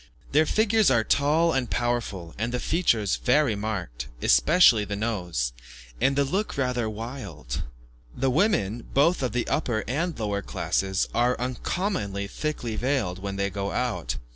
Their figures are tall and powerful, the features very marked especially the nose and the look rather wild. The women, both of the upper and lower classes, are uncommonly thickly veiled when they go out.